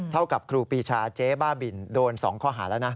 เท่ากับครูปีชาเจ๊บ้าบินโดน๒ข้อหาแล้วนะ